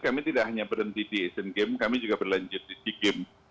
kami tidak hanya berhenti di asian games kami juga berlanjut di sea games